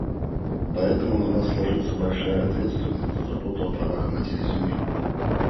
Поэтому на нас ложится большая ответственность за заботу о правах Матери-Земли.